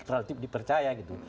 relatif dipercaya gitu